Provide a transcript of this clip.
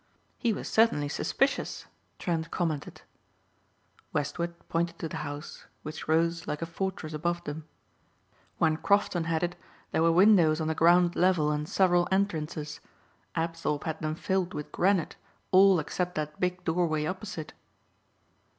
"He was certainly suspicious," Trent commented. Westward pointed to the house which rose like a fortress above them. "When Crofton had it there were windows on the ground level and several entrances. Apthorpe had them filled with granite all except that big doorway opposite."